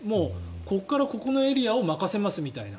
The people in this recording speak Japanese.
ここからここのエリアを任せます見たいな。